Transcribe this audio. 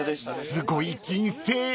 ［すごい人生］